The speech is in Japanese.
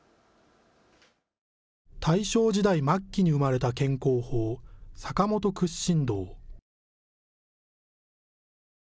大正時代末期に生まれた健康法、坂本屈伸道。